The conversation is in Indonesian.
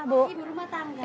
ibu rumah tangga